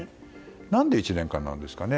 何で１年間なんですかね？